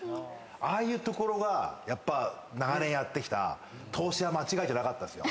ああいうところが長年やってきた投資は間違えてなかったですよ。